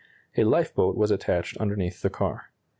A lifeboat was attached underneath the car.